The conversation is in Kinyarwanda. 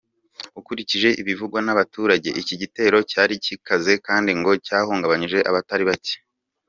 Ukurikije ibivugwa n'abaturage, iki gitero cyari gikaze kandi ngo cyahungabanije abatari bakeya.